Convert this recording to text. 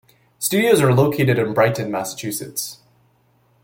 Studios are located in Brighton, Massachusetts.